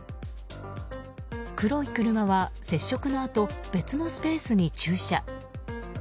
黒い車は、接触のあと別のスペースに駐車。